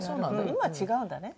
今は違うんだね。